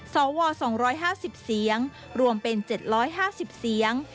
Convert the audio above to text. สว๒๕๐เสียงรวมเป็น๗๕๐เสียง